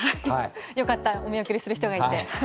よかったお見送りする人がいて。